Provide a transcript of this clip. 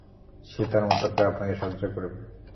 সে তার মতো করে আপনাকে সাহায্য করবে।